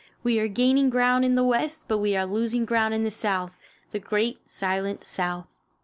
We are gaining ground in the West, but we are losing ground in the South, the great, silent South.